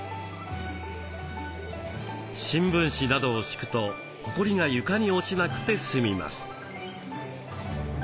新聞紙などを敷くとホコリが床に落ちなくて済みます。